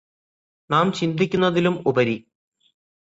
നാം ചിന്തിക്കുന്നതിലും ഉപരി